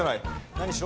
何しろ